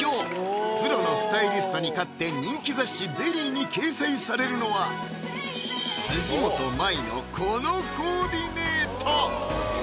プロのスタイリストに勝って人気雑誌「ＶＥＲＹ」に掲載されるのは辻元舞のこのコーディネート！